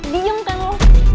diam kan lu